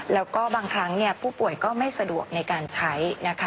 แล้วก็บางครั้งผู้ป่วยก็ไม่สะดวกในการใช้นะคะ